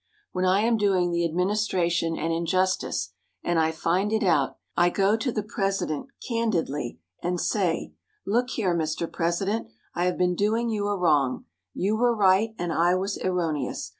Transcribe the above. When I am doing the administration an injustice, and I find it out, I go to the president candidly, and say: "Look here, Mr. President, I have been doing you a wrong. You were right and I was erroneous.